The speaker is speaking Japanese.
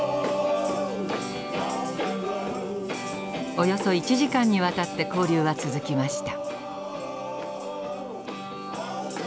およそ１時間にわたって交流は続きました。